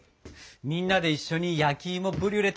みんなで一緒に焼きいもブリュレ